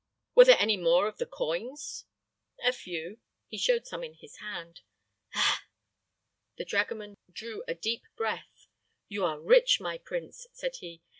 "Were there any more of the coins?" "A few." He showed some in his hand. "Ah!" The dragoman drew a deep breath. "You are rich, my prince," said he.